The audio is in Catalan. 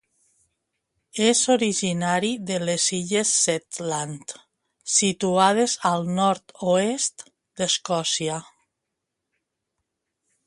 És originari de les illes Shetland, situades al nord-oest d'Escòcia.